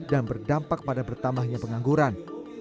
dan berdampak pada bertambahnya pengangguran